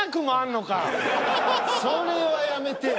それはやめてよ。